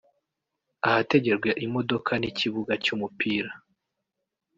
ahategerwa imodoka n’ikibuga cy’umupira